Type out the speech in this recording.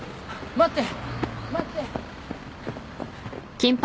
待って！